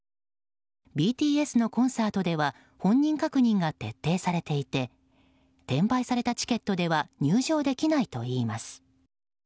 ＢＴＳのコンサートでは本人確認が徹底されていて転売されたチケットでは入場できないといいます。